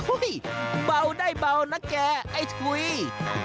อุ้ยเบาได้เบานะแกไอ้สุรี